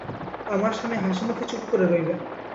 আমার স্বামী হাসিমুখে চুপ করে রইলেন।